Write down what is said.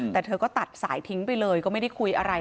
แต่เธอก็ตัดสายทิ้งไปเลยก็ไม่ได้คุยอะไร